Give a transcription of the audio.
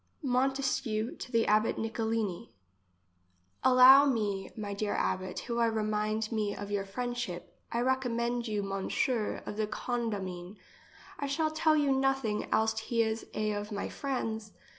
Montesquieu to the abbot Nicolini. Allow me, my dear abbot, who I remind me of your friendship. I recommend you M. of the Condamine. I shall tell you nothing, else he is a of my friends.